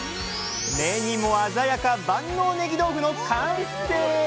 目にも鮮やか「万能ねぎ豆腐」の完成！